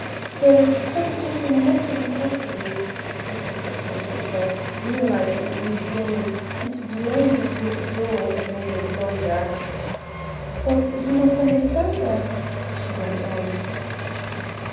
"There is positively not the necessity," protested Count Victor, realising a move gained, and delaying his withdrawal a moment longer. "But you must understand that " she went on.